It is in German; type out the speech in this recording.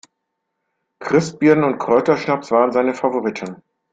Christbirnen und Kräuterschnaps waren seine Favoriten.